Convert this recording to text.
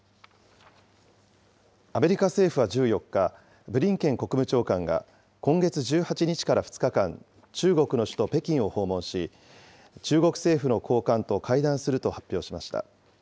アメリカ政府は１４日、ブリンケン国務長官が今月１８日から２日間、中国の首都北京を訪問し、中国政府の高官と会談すると発表しました。